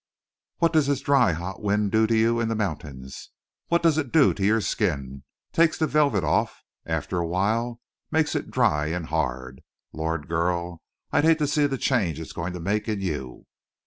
"What does this dry, hot wind do to you in the mountains? What does it do to your skin? Takes the velvet off, after a while; makes it dry and hard. Lord, girl, I'd hate to see the change it's going to make in you!"